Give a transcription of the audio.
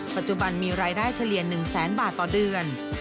ปัจจุบันมีรายได้เฉลี่ย๑แสนบาทต่อเดือน